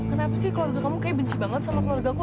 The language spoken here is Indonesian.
kenapa sih keluarga kamu kayaknya benci banget sama keluarga aku